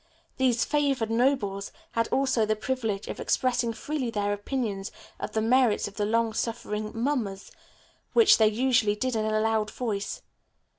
These favored nobles had also the privilege of expressing freely their opinions of the merits of the long suffering mummers, which they usually did in a loud voice.